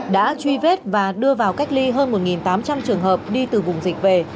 đã truy vết và đưa vào cách ly hơn một tám trăm linh trường hợp đi từ vùng dịch về